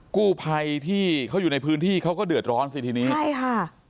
กู้ภัยที่เขาอยู่ในพื้นที่เขาก็เดือดร้อนสิทีนี้ใช่ค่ะ